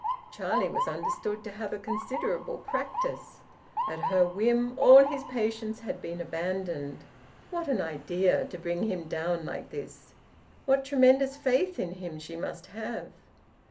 Charlie was understood to have a considerable practice. At her whim all his patients had been abandoned. What an idea, to bring him down like this! What tremendous faith in him she must have!